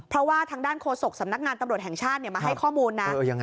เพราะว่าทางด้านโฆษกสำนักงานตำรวจแห่งชาติมาให้ข้อมูลนะ